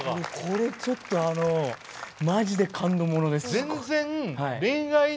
これちょっとあのマジで感動ものです。